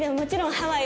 ハワイ。